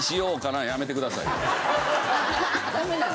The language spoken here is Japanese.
ダメなの？